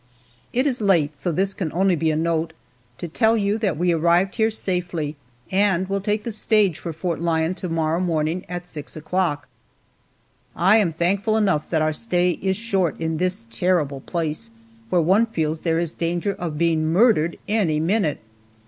IT is late, so this can be only a note to tell you that we arrived here safely, and will take the stage for Fort Lyon to morrow morning at six o'clock. I am thankful enough that our stay is short at this terrible place, where one feels there is danger of being murdered any minute.